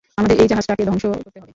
আমাদের এই জাহাজটাকে ধ্বংস করতে হবে।